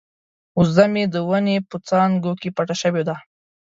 وزه مې د ونې په څانګو کې پټه شوې ده.